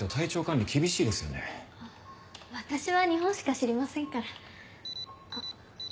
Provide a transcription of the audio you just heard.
私は日本しか知りませんから。